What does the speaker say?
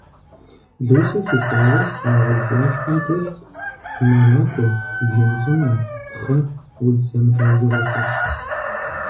Лусэ хисауэ щхьэгъубжащхьэм тетт щӏымэракӏуэ, бжьын цӏынэ, пхъы, удз зэмылӏэужьыгъуэхэр.